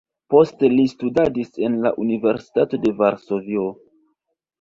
Poste li studadis en la Universitato de Varsovio.